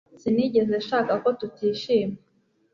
Sinigeze nshaka ko tutishima